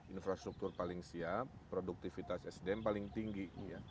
infrastruktur paling siap produktivitas sdm paling tinggi